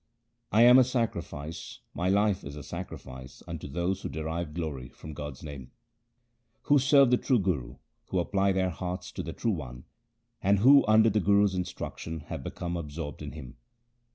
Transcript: I am a sacrifice, my life is a sacrifice unto those who derive glory from God's name, Who serve the true Guru, who apply their hearts to the True One, and who under the Guru's instruction have become absorbed in Him.